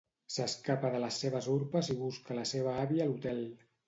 S'escapa de les seves urpes i busca la seva àvia a l'hotel.